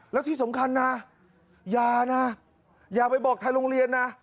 แล้วที่สำคัญนะอย่านะอย่าไปบอกทางโรงเรียนนะ